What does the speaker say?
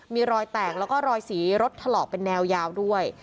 มีรอยแตกแล้วก็รอยสีรถถลอกเป็นแนวยาวด้วย